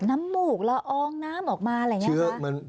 มูกละอองน้ำออกมาอะไรอย่างนี้ค่ะ